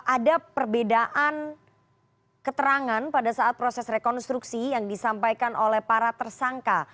ada perbedaan keterangan pada saat proses rekonstruksi yang disampaikan oleh para tersangka